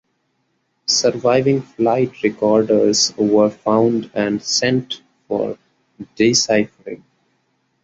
Surviving flight recorders were found and sent for deciphering.